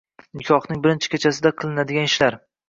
Nikohning birinchi kechasida qilinadigan ishlar.